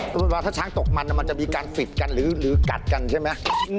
สมมุติว่าถ้าช้างตกมันมันจะมีการปิดกันหรือกัดกันใช่ไหม